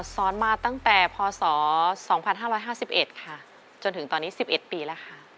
สอนมาตั้งแต่พศ๒๕๕๑ค่ะจนถึงตอนนี้๑๑ปีแล้วค่ะ